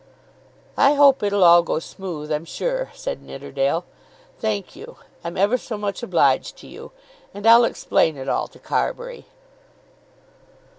"I hope it'll all go smooth, I'm sure," said Nidderdale. "Thank you; I'm ever so much obliged to you, and I'll explain it all to Carbury."